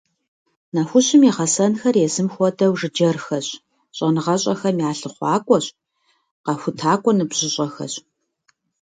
Нэхущым и гъэсэнхэр езым хуэдэу жыджэрхэщ, щӀэныгъэщӀэхэм я лъыхъуакӀуэщ, къэхутакӀуэ ныбжьыщӀэхэщ.